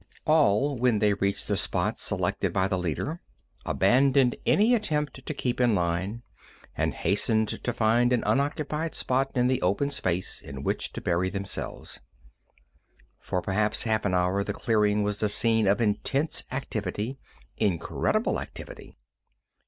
All, when they reached the spot selected by the leader, abandoned any attempt to keep to their line, and hastened to find an unoccupied spot in the open space in which to bury themselves. For perhaps half an hour the clearing was the scene of intense activity, incredible activity.